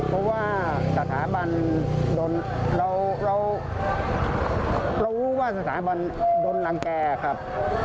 เพราะเรารู้ว่าสถาบันโดนรังแกะครับ